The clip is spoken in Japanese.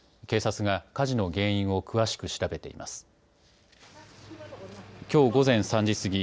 警察が火事の原因を詳しく調べています。